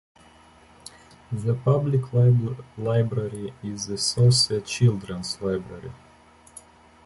The public library is the Saucier Children's Library.